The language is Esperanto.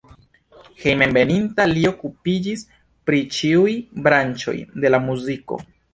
Hejmenveninta li okupiĝis pri ĉiuj branĉoj de la muziko.